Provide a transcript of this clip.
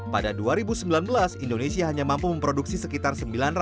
pada dua ribu sembilan belas indonesia hanya mampu memproduksi sekitar sembilan ratus empat puluh